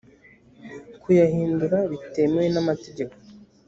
kuyahindura bitemewe n amategeko